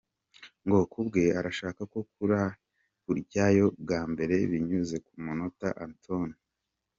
Ngo ku bwe arashaka ko rujyayo bwa mbere binyuze ku mutoza Antoine Hey!